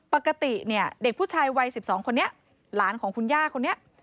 ปกติเนี่ยเด็กผู้ชายวัย๑๒คนนี้หลานของคุณย่าคนนี้